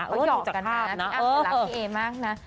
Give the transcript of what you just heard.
เพราะหยอกนะฮะรักพี่เอมากนะ